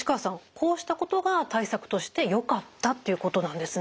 こうしたことが対策としてよかったっていうことなんですね？